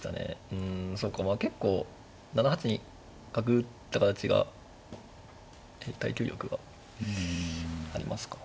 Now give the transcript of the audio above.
うんそうかまあ結構７八に角打った形が耐久力がありますか。